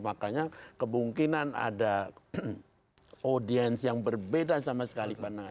makanya kemungkinan ada audiens yang berbeda sama sekali pandangan